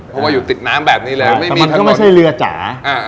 ผมว่าอยู่ติดน้ำแบบนี้แหละแต่มันก็ไม่ใช่เรือจ๋า